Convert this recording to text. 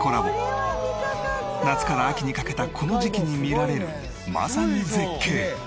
夏から秋にかけたこの時期に見られるまさに絶景。